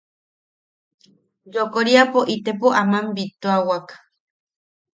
Yokoriapo itepo aman bittuawak.